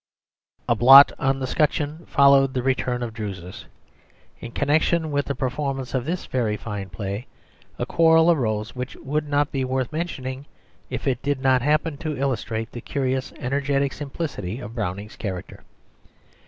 A Blot on the 'Scutcheon followed The Return of the Druses. In connection with the performance of this very fine play a quarrel arose which would not be worth mentioning if it did not happen to illustrate the curious energetic simplicity of Browning's character.